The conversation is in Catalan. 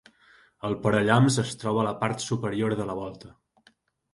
El parallamps es troba a la part superior de la volta.